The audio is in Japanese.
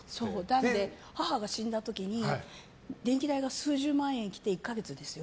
なので母が死んだ時に電気代が数十万円来て１か月ですよ。